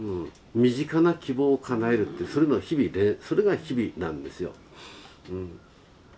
身近な希望をかなえるってそれの日々それが日々なんですよ。